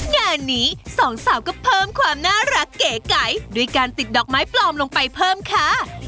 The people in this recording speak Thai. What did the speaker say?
งานนี้สองสาวก็เพิ่มความน่ารักเก๋ไก่ด้วยการติดดอกไม้ปลอมลงไปเพิ่มค่ะ